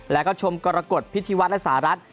แล้วก็ชมกรกฎพิธีวัฒน์และสหรัฐ